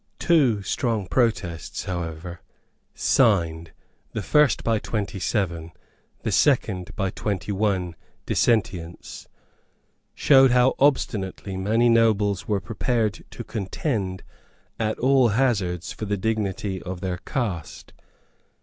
Two strong protests, however, signed, the first by twenty seven, the second by twenty one dissentients, show how obstinately many nobles were prepared to contend at all hazards for the dignity of their caste.